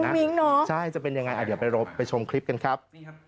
มิ้งเนอะใช่จะเป็นยังไงอ่ะเดี๋ยวไปชมคลิปกันครับ